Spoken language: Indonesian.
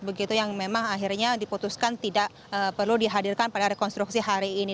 begitu yang memang akhirnya diputuskan tidak perlu dihadirkan pada rekonstruksi hari ini